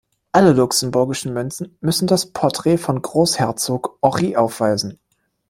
Alle luxemburgischen Münzen müssen das Porträt von Großherzog Henri aufweisen.